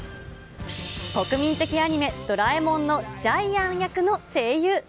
国民的アニメ、ドラえもんのジャイアン役の声優。